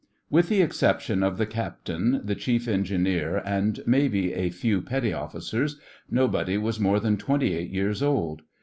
With the exception of the Captain, the Chief Engineer, and maybe a few petty officers, nobody was more than twenty eight years old.